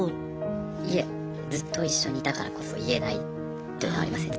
いえずっと一緒にいたからこそ言えないというのはありますよね。